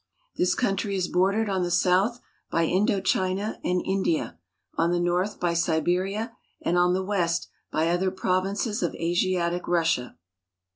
This country is bordered on the south by Indo China and India, on the north by Siberia, and on the west by other provinces of Asiatic Russia.